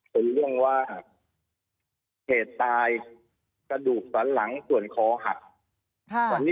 เป็นเรื่องว่าเหตุตายกระดูกสันหลังส่วนคอหัก